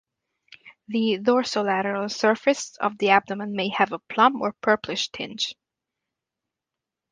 The dorsolateral surface of the abdomen may have a plum- or purplish tinge.